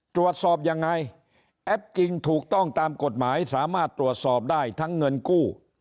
ตรวจสอบยังไงแอปจริงถูกต้องตามกฎหมายสามารถตรวจสอบได้ทั้งเงินกู้